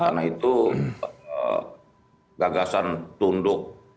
karena itu gagasan tunduk